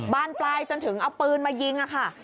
บานปลายจนถึงเอาปืนมายิงค่ะ